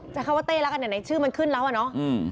แต่เขาว่าเต้แล้วกันเนี่ยในชื่อมันขึ้นแล้วอ่ะเนาะอืม